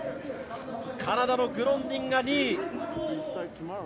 カナダのグロンディンが２位。